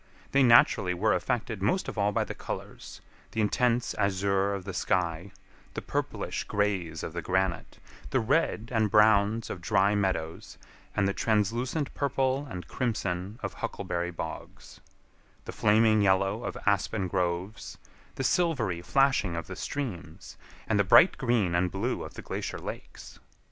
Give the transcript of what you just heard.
They naturally were affected most of all by the colors—the intense azure of the sky, the purplish grays of the granite, the red and browns of dry meadows, and the translucent purple and crimson of huckleberry bogs; the flaming yellow of aspen groves, the silvery flashing of the streams, and the bright green and blue of the glacier lakes.